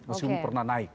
masih belum pernah naik